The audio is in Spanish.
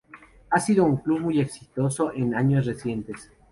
Ha sido un club muy exitoso en años recientes.